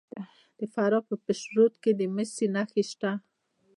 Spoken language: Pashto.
د فراه په پشت رود کې د مسو نښې شته.